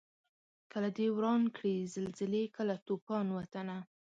کله دي وران کړي زلزلې کله توپان وطنه